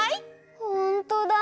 ほんとだ。